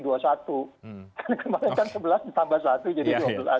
kan kemarin kan sebelas ditambah satu jadi dua belas